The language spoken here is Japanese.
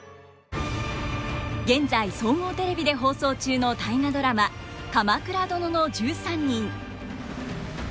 現在総合テレビで放送中の「大河ドラマ鎌倉殿の１３人」。